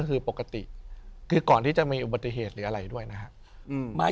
คือปกติคือก่อนที่จะมีประเทศหรืออะไรด้วยนะค่ะหมาย